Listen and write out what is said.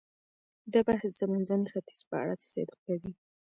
دا بحث د منځني ختیځ په اړه صدق کوي.